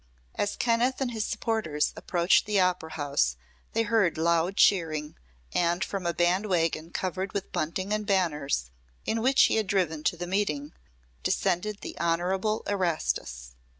As Kenneth and his supporters approached the Opera House they heard loud cheering, and from a band wagon covered with bunting and banners, in which he had driven to the meeting, descended the Honorable Erastus.